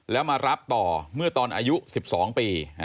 แล้วมารับต่อเมื่อตอนอายุ๑๒ปี